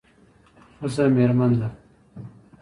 ښځه میرمن ده